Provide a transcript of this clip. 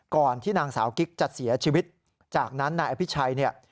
ก่อนที่นางสาวกิ๊กจะเสียชีวิตจากนั้นนายอภิชัยเนี่ย